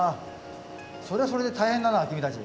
それはそれで大変だな君たち。